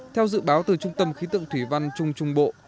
theo dự báo từ trung tâm khí tượng thủy văn trung trung bộ